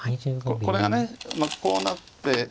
これがこうなって。